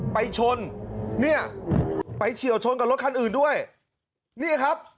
ไปชนเนี่ยไปเฉียวชนกับรถคันอื่นด้วยนี่ครับ